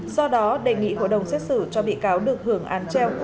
do đó đề nghị hội đồng xét xử cho bị cáo được hưởng án treo